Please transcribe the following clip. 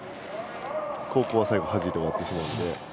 後攻は最後はじいて終わってしまうので。